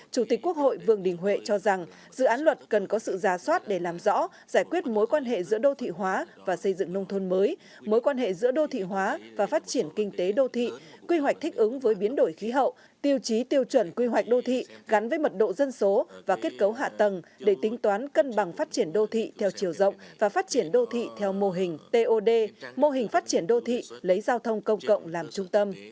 cho rằng dự án luật cần có sự ra soát để làm rõ giải quyết mối quan hệ giữa đô thị hóa và xây dựng nông thôn mới mối quan hệ giữa đô thị hóa và phát triển kinh tế đô thị quy hoạch thích ứng với biến đổi khí hậu tiêu chí tiêu chuẩn quy hoạch đô thị gắn với mật độ dân số và kết cấu hạ tầng để tính toán cân bằng phát triển đô thị theo chiều rộng và phát triển đô thị theo mô hình tod mô hình phát triển đô thị lấy giao thông công cộng làm trung tâm